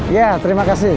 iya terima kasih